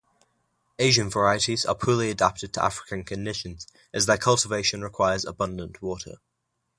Asian varieties are poorly adapted to African conditions as their cultivation requires abundant water.